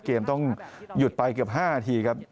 เกมต้องหยุดไปเกือบ๕นาทีครับ